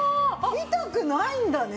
痛くないんだね。